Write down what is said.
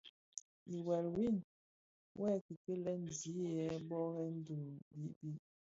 Ighel win, wuê kikilè zi yè burèn di bibid.